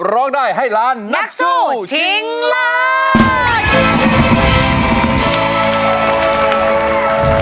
ร้องได้ให้ล้านนักสู้ชิงล้าน